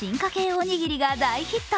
おにぎりが大ヒット。